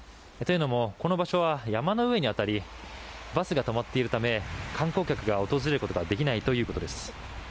というのもこの場所は山の上に当たりバスが止まっているため観光客が訪れることができないということです。